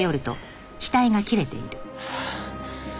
はあ。